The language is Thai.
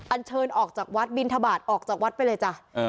เชิญออกจากวัดบินทบาทออกจากวัดไปเลยจ้ะ